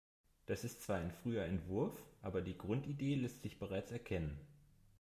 Das ist zwar ein früher Entwurf, aber die Grundidee lässt sich bereits erkennen.